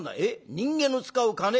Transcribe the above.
人間の使う金？」。